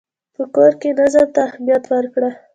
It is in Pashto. په کور کې نظم ته اهمیت ورکړه.